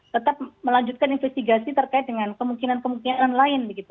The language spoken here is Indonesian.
tetap melanjutkan investigasi terkait dengan kemungkinan kemungkinan lain begitu